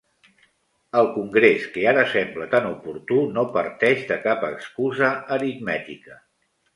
El congrés, que ara sembla tan oportú, no parteix de cap excusa aritmètica.